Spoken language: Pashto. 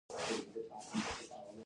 سړي تېږې ته لاس کړ، تواب چيغه کړه!